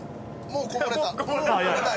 もうこぼれた。